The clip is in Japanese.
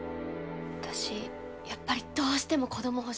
私やっぱりどうしても子ども欲しい。